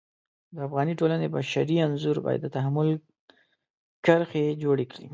د افغاني ټولنې بشري انځور باید د تحمل کرښې جوړې کړي.